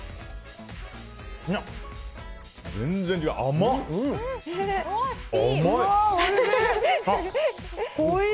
全然違う、甘い。